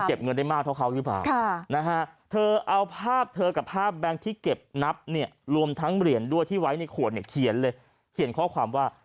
เออเขาเขาเขาเขาเขาเก็บเงินได้มากเพราะเขานะคะ